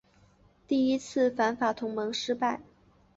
第一次反法同盟失败。